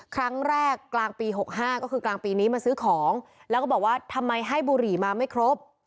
กลางปี๖๕ก็คือกลางปีนี้มาซื้อของแล้วก็บอกว่าทำไมให้บุหรี่มาไม่ครบ